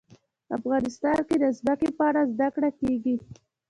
افغانستان کې د ځمکه په اړه زده کړه کېږي.